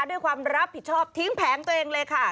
ด้วยความรับผิดชอบทิ้งแผงตัวเองเลยค่ะ